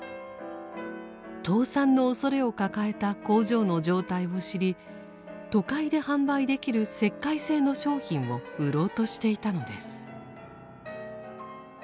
倒産のおそれを抱えた工場の状態を知り都会で販売できる石灰製の商品を売ろうとしていたのです。